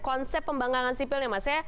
konsep pembangkangan sipilnya mas ya